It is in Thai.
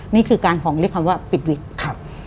นี่คือการของเรียกคำว่าปิดวิกครับ